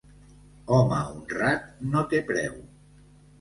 Home honrat no té preu.